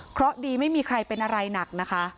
เพราะดีไม่มีใครเป็นอะไรหนักนะคะ